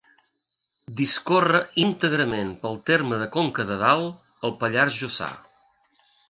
Discorre íntegrament pel terme de Conca de Dalt, al Pallars Jussà.